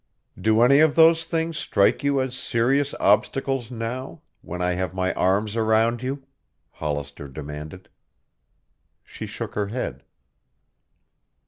"Do any of those things strike you as serious obstacles now when I have my arms around you?" Hollister demanded. She shook her head.